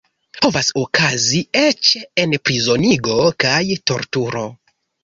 Povas okazis eĉ enprizonigo kaj torturo.